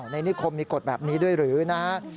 นิคมมีกฎแบบนี้ด้วยหรือนะฮะ